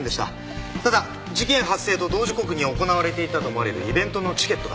ただ事件発生と同時刻に行われていたと思われるイベントのチケットが。